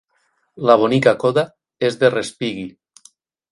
La bonica coda és de Respighi.